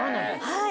はい。